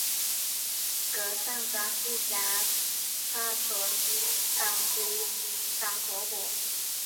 噶桑扎西嘉措卓仓居巴仓活佛。